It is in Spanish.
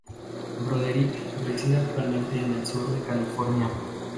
Broderick reside actualmente en el sur de California.